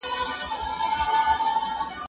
زه مخکي موټر کارولی و،